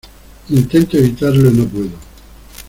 intento evitarlo y no puedo.